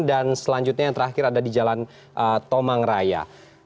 dan selanjutnya yang terakhir ada di jalan tomang raya